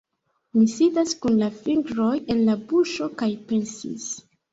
Mi sidas kun la fingroj en la buŝo kaj pensis